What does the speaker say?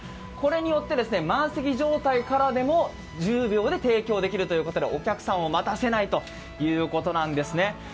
これによって満席状態からでも１０秒で提供できるということでお客さんを待たせないということなんですね。